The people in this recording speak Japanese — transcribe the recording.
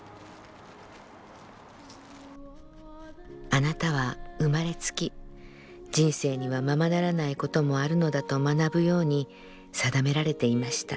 「あなたは生まれつき人生にはままならないこともあるのだと学ぶように定められていました。